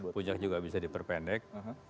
puncaknya juga bisa diperpendek